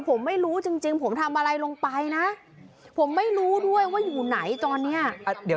ผมไม่รู้จริงจริงผมทำอะไรลงไปนะผมไม่รู้ด้วยว่าอยู่ไหนตอนเนี้ยเดี๋ยว